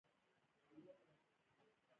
کونړ ډیر ځنګلونه لري